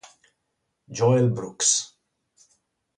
Joel Brooks